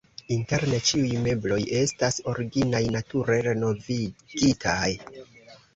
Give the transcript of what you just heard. Interne ĉiuj mebloj estas originaj, nature renovigitaj.